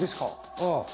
ああ。